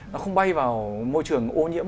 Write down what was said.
nó không bay vào môi trường ô nhiễm